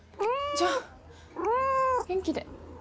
じゃあ元気で。